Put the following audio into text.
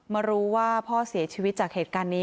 มารู้ว่าพ่อเสียชีวิตจากเหตุการณ์นี้